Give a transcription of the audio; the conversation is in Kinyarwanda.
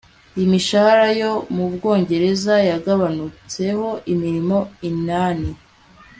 imishahara yo mu bwongereza yagabanutseho imirimo inani